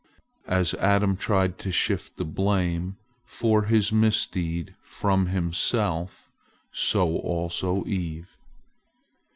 As Adam tried to shift the blame for his misdeed from himself, so also Eve.